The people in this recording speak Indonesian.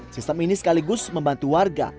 sistem ini sekaligus membantu warga